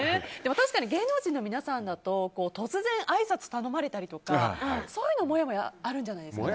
確かに芸能人の皆さんだと突然、あいさつを頼まれたりとかそういうのにもやもやがあるんじゃないですか。